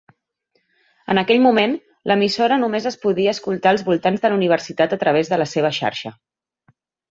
En aquell moment, l'emissora només es podia escoltar als voltants de la universitat a través de la seva xarxa.